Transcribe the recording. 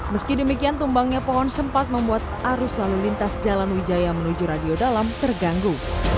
meski demikian tumbangnya pohon sempat membuat arus lalu lintas jalan wijaya menuju radio dalam terganggu